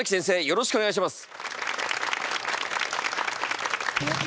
よろしくお願いします。